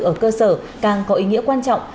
ở cơ sở càng có ý nghĩa quan trọng